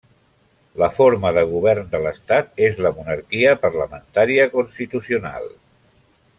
La forma de govern de l'Estat és la monarquia parlamentària constitucional.